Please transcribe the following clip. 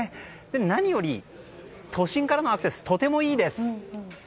何より都心からのアクセスがとてもいいです。